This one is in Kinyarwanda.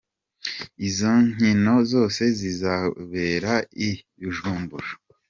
Izo nkino zose zikazobera i Bujumbura.